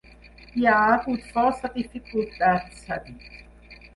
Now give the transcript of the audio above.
Hi ha hagut força dificultats, ha dit.